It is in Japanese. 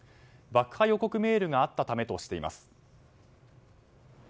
爆破予告メールがあったためとしています。